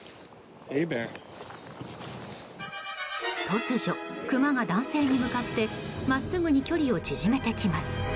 突如クマが男性に向かって真っすぐに距離を縮めてきます。